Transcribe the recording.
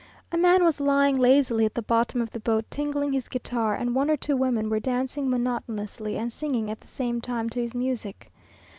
A man was lying lazily at the bottom of the boat tingling his guitar, and one or two women were dancing monotonously and singing at the same time to his music.